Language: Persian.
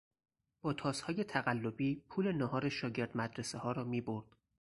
با تاسهای تقلبی پول ناهار شاگرد مدرسهها را میبرد.